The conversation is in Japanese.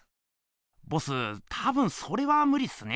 ボス多分それはむりっすね。